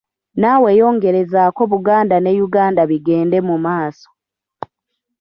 Nawe yongerezaako Buganda ne Uganda bigende mu maaso